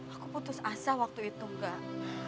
aku putus asa waktu itu kak